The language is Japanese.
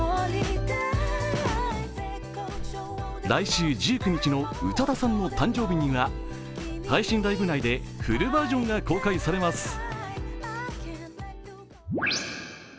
来週１９日の宇多田さんの誕生日には配信ライブ内でフルバージョンが公開されます。